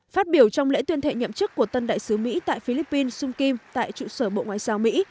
phát biểu trong lễ tuyên thệ nhậm chức của tân đại sứ mỹ tại philippines sung kim tại trụ sở bộ ngoại giao mỹ